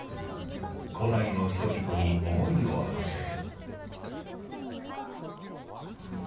古代の人々に思いをはせて。